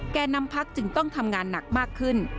แก่นำพักจึงต้องทำงานหนักมากขึ้น